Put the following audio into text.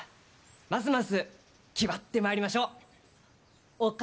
ますます気張ってまいりましょう。